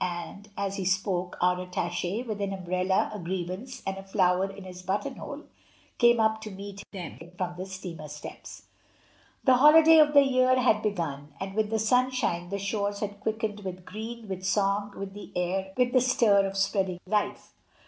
and, as he spoke, our attache, with an umbrella, a grievance, and a flower in his button hole, came up to meet them from the steamer steps. The holiday of the year had begun, and with the sunshine the shores had quickened with green, with song, with the stir of spreading life.